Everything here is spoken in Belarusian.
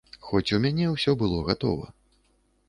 Хоць у мяне ўсё было гатова.